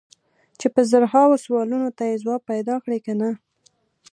چې په زرهاوو سوالونو ته یې ځواب پیدا کړی که نه.